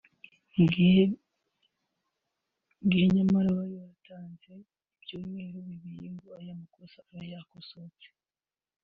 mu gihe nyamara bari baratanze ibyumweru bibiri ngo ayo makosa abe yakosotse